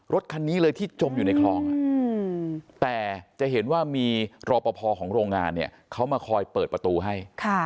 รถคันนี้เลยที่จมอยู่ในคลองแต่จะเห็นว่ามีรอปภของโรงงานเนี่ยเขามาคอยเปิดประตูให้